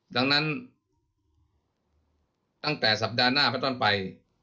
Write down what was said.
ดังนั้นตั้งแต่สัปดาห์หน้าไปต้นไป